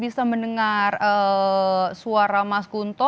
bisa mendengar suara mas kunto